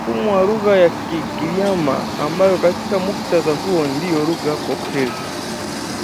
mfumo wa lugha ya Kigiriama ambayo katika muktadha huu ndiyo lugha pokezi